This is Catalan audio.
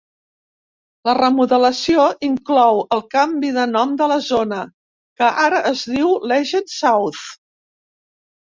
La remodelació inclou el canvi de nom de la zona, que ara es diu Legends South.